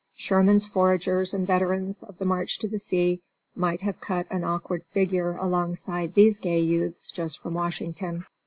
Sherman's foragers and veterans of the March to the Sea might have cut an awkward figure alongside these gay youths just from Washington.